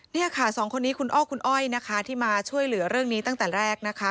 นี่ค่ะสองคนนี้คุณอ้อคุณอ้อยนะคะที่มาช่วยเหลือเรื่องนี้ตั้งแต่แรกนะคะ